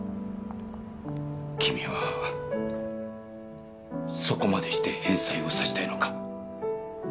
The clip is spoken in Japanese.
君はそこまでして返済をさしたいのか。